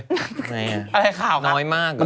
อะไรขาวน้อยมาก